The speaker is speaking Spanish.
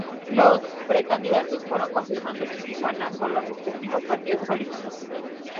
Los precandidatos fueron confirmándose en Tijuana, con los respectivos partidos políticos.